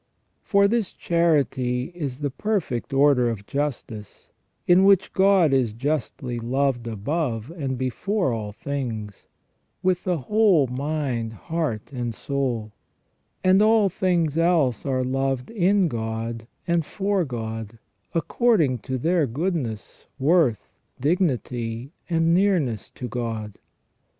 For this charity is the perfect order of justice, in which God is justly loved above and before all things, with the whole mind, heart, and soul ; and all things else are loved in God and for God, according to their goodness, worth, dignity, and nearness to God.